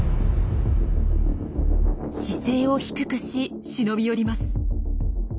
姿勢を低くし忍び寄ります。